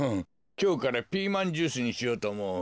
きょうからピーマンジュースにしようとおもう。